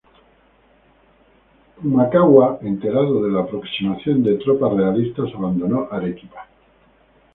Pumacahua, enterado de la aproximación de tropas realistas, abandonó Arequipa.